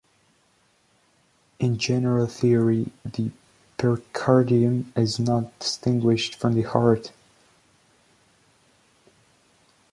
In general theory, the Pericardium is not distinguished from the Heart.